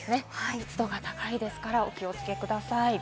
湿度が高いですからお気をつけください。